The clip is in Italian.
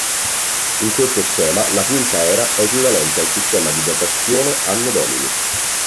In questo schema la Quinta Era è equivalente al sistema di datazione "Anno Domini".